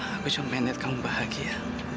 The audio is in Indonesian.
aku cuma pengen lihat kamu bahagia